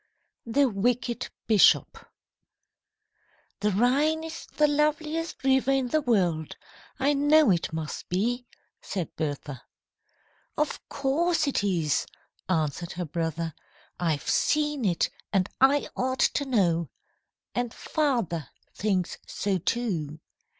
THE WICKED BISHOP "THE Rhine is the loveliest river in the world. I know it must be," said Bertha. "Of course it is," answered her brother. "I've seen it, and I ought to know. And father thinks so, too.